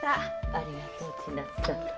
ありがとう千奈津さん。